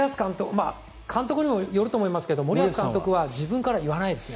監督にもよると思いますが森保さんは自分からは言わないですね。